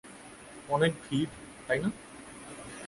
অনেক ভিড়, তাই না?